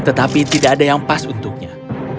tetapi tidak ada yang pas untuknya